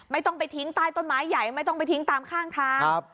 ไม่ต้องไปทิ้งใต้ต้นไม้ใหญ่ไม่ต้องไปทิ้งตามข้างทาง